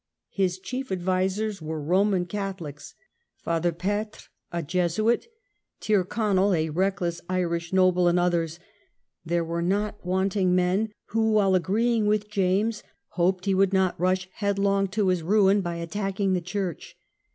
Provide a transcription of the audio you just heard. His chief advisers were Roman Catholics — Father Petre, a Jesuit, Tyrconnel, a reckless Formation of Irish noble, and others. There were not parties wanting men who, while agreeing with James, hoped he would not rush headlong to his ruin by attacking the church.